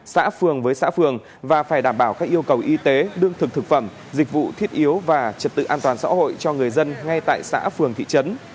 xã phường với xã phường và phải đảm bảo các yêu cầu y tế đương thực thực phẩm dịch vụ thiết yếu và trật tự an toàn xã hội cho người dân ngay tại xã phường thị trấn